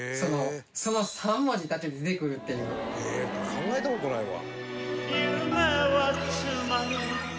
「考えた事ないわ」